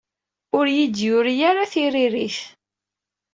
Ur iyi-d-yuri ara tiririt.